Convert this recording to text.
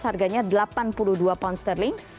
harganya delapan puluh dua pound sterling